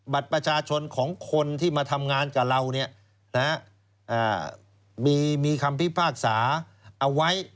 บัตรประชาชนของคนที่มาทำงานกับเรามีคำพิพากษาเอาไว้